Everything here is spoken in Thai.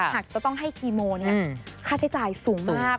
หากจะต้องให้คีโมค่าใช้จ่ายสูงมาก